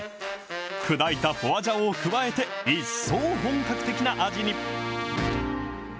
砕いたホワジャオを加えて、一層、本格的な味に。